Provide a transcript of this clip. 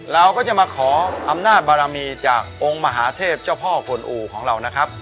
เราก็จะมาขออำนาจบารมีจากองค์มหาเทพเจ้าพ่อกวนอู่ของเรานะครับ